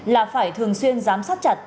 là phải thường xuyên giám sát chặt